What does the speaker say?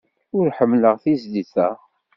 Ur ḥemmleɣ tizlit-a.